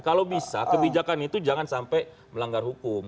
kalau bisa kebijakan itu jangan sampai melanggar hukum